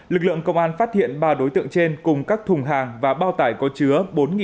lực lượng công an phát hiện ba đối tượng trên cùng các thùng hàng và bao tải có chứa